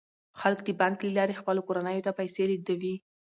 خلک د بانک له لارې خپلو کورنیو ته پیسې لیږدوي.